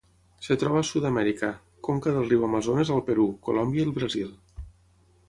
Es troba a Sud-amèrica: conca del riu Amazones al Perú, Colòmbia i el Brasil.